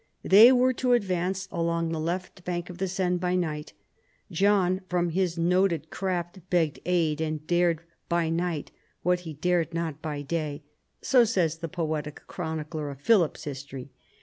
They were to advance along the left bank of the Seine by night. "John from his noted craft begged aid, and dared by night what he dared not by day," — so says the poetic chronicler of Philip's history.